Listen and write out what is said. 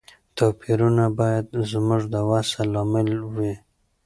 توپیرونه باید زموږ د وصل لامل وي.